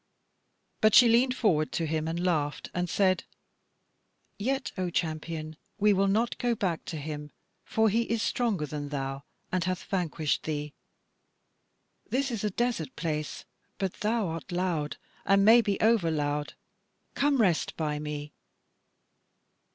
But she leaned forward to him and laughed and said: "Yet, O Champion, we will not go back to him, for he is stronger than thou, and hath vanquished thee. This is a desert place, but thou art loud, and maybe over loud. Come rest by me."